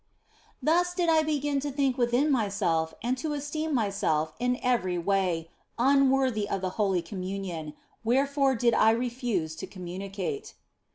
Thus did I begin to think within myself and to esteem myself in every way unworthy of the Holy Communion, wherefore did I refuse to communicate.